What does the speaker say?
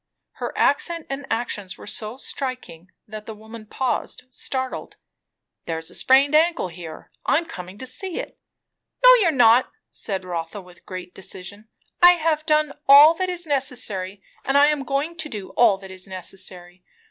Her accent and action were so striking, that the woman paused, startled. "There's a sprained ankle here I'm coming to see it." "No, you are not," said Rotha with great decision. "I have done all that is necessary, and I am going to do all that is necessary.